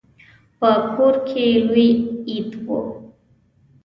په کور کې لوی عید و.